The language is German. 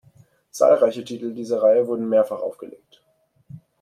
Zahlreiche Titel dieser Reihe wurden mehrfach aufgelegt.